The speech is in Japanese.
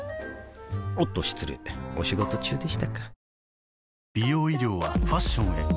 おっと失礼お仕事中でしたか